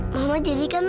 mama jadikan lah